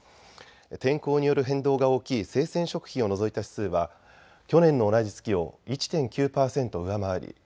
天候による変動が大きい生鮮食品を除いた指数は去年の同じ月を１．９％上回り